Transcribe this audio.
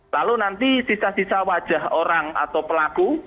lalu nanti sisa sisa wajah orang atau pelaku